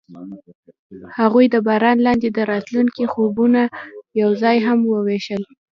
هغوی د باران لاندې د راتلونکي خوبونه یوځای هم وویشل.